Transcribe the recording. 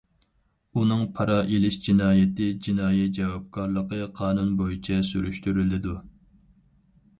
ئۇنىڭ پارا ئېلىش جىنايىتىنىڭ جىنايى جاۋابكارلىقى قانۇن بويىچە سۈرۈشتۈرۈلىدۇ.